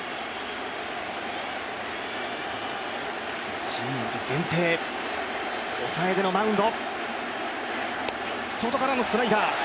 １イニング限定、抑えでのマウンド。